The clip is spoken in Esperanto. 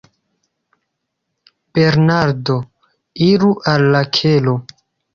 Bernardo: Iru al la kelo.